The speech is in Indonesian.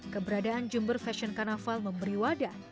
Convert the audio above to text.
keberadaan jember fashion carnaval memberi wadah